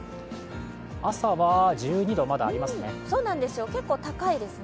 朝は１２度、まだありますね。